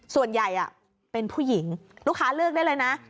ส่วนใหญ่เป็นผู้หญิงลูกค้าเลือกได้เลยนะ